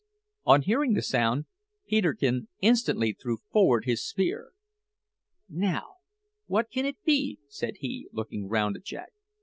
On hearing the sound, Peterkin instantly threw forward his spear. "Now, what can it be?" said he, looking round at Jack.